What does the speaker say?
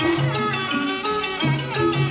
โอเคครับ